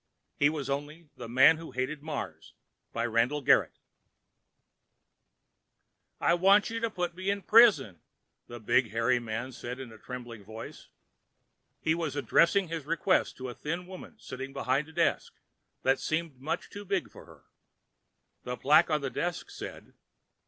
He was only—_ The Man Who Hated Mars By RANDALL GARRETT "I WANT you to put me in prison!" the big, hairy man said in a trembling voice. He was addressing his request to a thin woman sitting behind a desk that seemed much too big for her. The plaque on the desk said: LT.